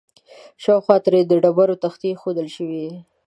شاوخوا ترې د ډبرو تختې ایښودل شوي دي.